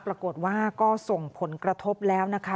ปรากฏว่าก็ส่งผลกระทบแล้วนะคะ